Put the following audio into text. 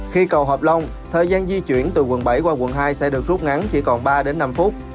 khi cầu hợp long thời gian di chuyển từ quận bảy qua quận hai sẽ được rút ngắn chỉ còn ba đến năm phút